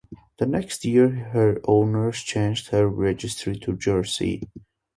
The next year her owners changed her registry to Jersey.